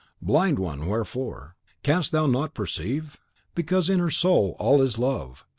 Blind one, wherefore? canst thou not perceive? Because in her soul all is love.